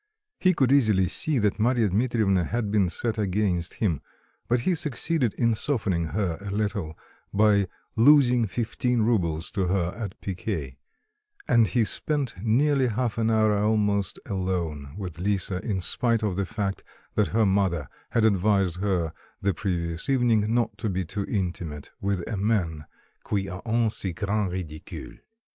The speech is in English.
He could easily see that Marya Dmitrievna had to been set against him; but he succeeded in softening her a little, by losing fifteen roubles to her at picquet, and he spent nearly half an hour almost alone with Lisa in spite of the fact that her mother had advised her the previous evening not to be too intimate with a man qui a un si grand ridicule.